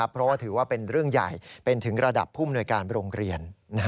เพราะว่าถือว่าเป็นเรื่องใหญ่เป็นถึงระดับผู้มนวยการโรงเรียน